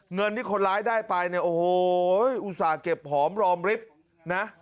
เงินที่คนร้ายได้ไปเนี่ยโอ้โหอุตส่าห์เก็บหอมรอมริฟท์นะ